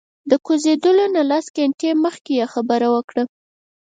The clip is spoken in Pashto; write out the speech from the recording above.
د کوزیدلو نه لس ګنټې مخکې یې خبره وکړه.